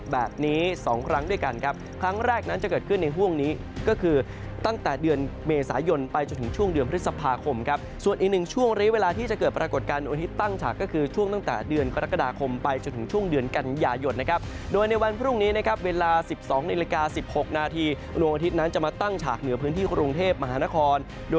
แบบนี้สองครั้งด้วยกันครับครั้งแรกนั้นจะเกิดขึ้นในห่วงนี้ก็คือตั้งแต่เดือนเมษายนไปจนถึงช่วงเดือนพฤษภาคมครับส่วนอีกหนึ่งช่วงริเวลาที่จะเกิดปรากฏการณ์นวทิตย์ตั้งฉากก็คือช่วงตั้งแต่เดือนกรกฎาคมไปจนถึงช่วงเดือนกันยาหยดนะครับโดยในวันพรุ่งนี้นะครับเวลา๑๒๑๖นาทีว